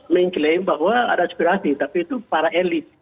mengklaim bahwa ada aspirasi tapi itu para elit